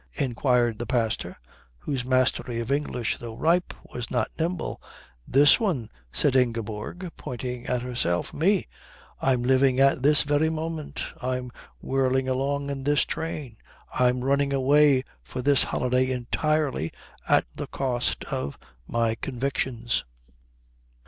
inquired the pastor, whose mastery of English, though ripe, was not nimble. "This one," said Ingeborg, pointing at herself. "Me. I'm living at this very moment I'm whirling along in this train I'm running away for this holiday entirely at the cost of my convictions."